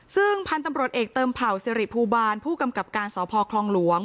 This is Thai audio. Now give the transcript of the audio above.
ซึ่งพันธุ์ตำรวจเอกเติมเผ่าสิริภูบาลผู้กำกับการสพคลองหลวง